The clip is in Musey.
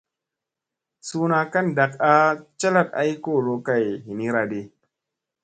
Suuna ka ndak a calat ay kolo kay ɦinira ɗi.